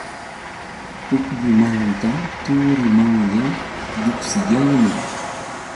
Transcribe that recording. Pukyumanta turumanya lluqsiyaamun.